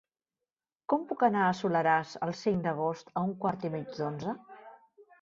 Com puc anar al Soleràs el cinc d'agost a un quart i mig d'onze?